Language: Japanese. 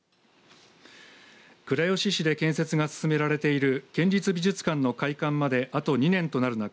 倉吉市で建設が進められている県立美術館の開館まであと２年となる中